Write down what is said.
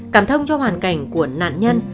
cảm thông cho hoàn cảnh của nạn nhân